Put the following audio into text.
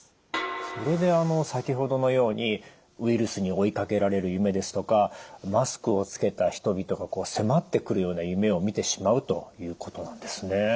それで先ほどのようにウイルスに追いかけられる夢ですとかマスクを着けた人々が迫ってくるような夢をみてしまうということなんですね。